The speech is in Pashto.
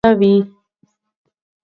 ماشومان د پسرلي په موسم کې ډېر خوشاله وي.